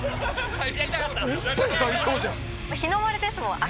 「日の丸ですもん赤」